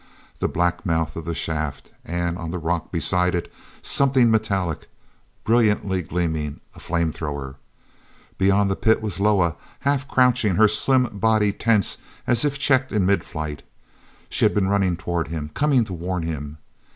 The black mouth of the shaft, and, on the rock beside it, something metallic, brilliantly gleaming—a flame thrower! Beyond the pit was Loah, half crouching, her slim body tense as if checked in mid flight. She had been running toward him, coming to warn him.